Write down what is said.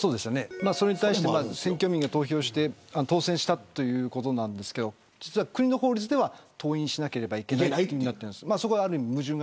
それに対して選挙民が投票し、当選したということなんですが国の法律では登院しなければいけない。